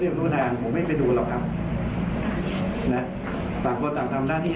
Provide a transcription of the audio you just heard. และอยู่ขอเช็คยอดเงินที่สหรัฐประชาเนี่ย